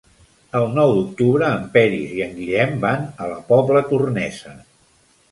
El nou d'octubre en Peris i en Guillem van a la Pobla Tornesa.